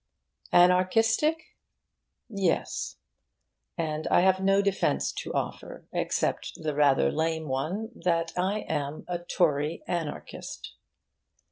Anarchistic? Yes; and I have no defence to offer, except the rather lame one that I am a Tory Anarchist.